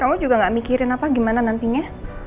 kamu juga gak mikirin apa gimana nantinya